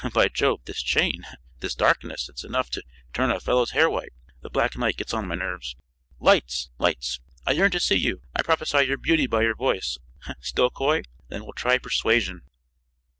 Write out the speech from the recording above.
By Jove, this chain this darkness it's enough to turn a fellow's hair white! The black night gets on my nerves. Lights! Lights! I yearn to see you; I prophesy your beauty by your voice! Still coy? Then we'll try persuasion!"